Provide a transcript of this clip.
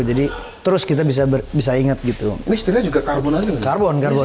jadi terus kita bisa ingat gitu ini stillnya juga karbon aja kan karbon karbon